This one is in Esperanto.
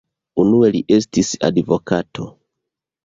Unue li estis advokato.